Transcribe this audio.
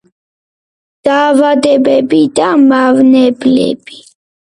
დაავადებები და მავნებლები.